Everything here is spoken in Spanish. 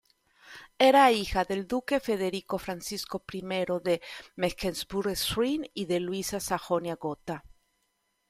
Era hija del duque Federico Francisco I de Mecklemburgo-Schwerin y de Luisa de Sajonia-Gotha.